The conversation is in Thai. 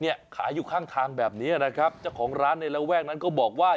ขายอยู่ข้างทางแบบนี้นะครับเจ้าของร้านในระแวกนั้นก็บอกว่า